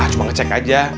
cuma ngecek aja